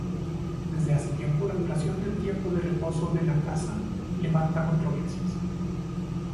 Desde hace tiempo la duración del tiempo de reposo de la caza levanta controversias.